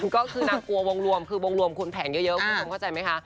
ก็คือนางกลัววงรวมคือวงรวมคุณแผงเยอะคุณผู้ชมเข้าใจไหมคะ